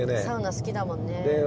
サウナ好きだもんね。